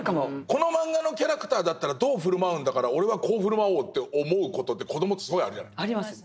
このマンガのキャラクターだったらどう振る舞うんだから俺はこう振る舞おうと思う事って子どもってすごいあるじゃない。あります。